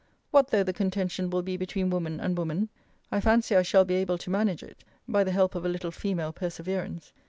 What though the contention will be between woman and woman? I fancy I shall be able to manage it, by the help of a little female perseverance.